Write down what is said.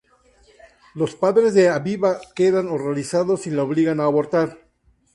Los padres de Aviva quedan horrorizados y la obligan a abortar.